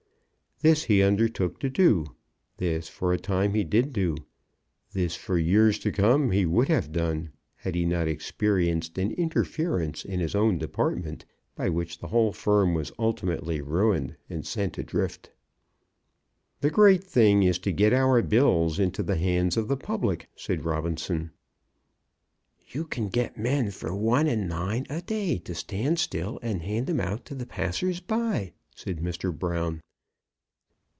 This he undertook to do; this for a time he did do; this for years to come he would have done, had he not experienced an interference in his own department, by which the whole firm was ultimately ruined and sent adrift. "The great thing is to get our bills into the hands of the public," said Robinson. "You can get men for one and nine a day to stand still and hand 'em out to the passers by," said Mr. Brown.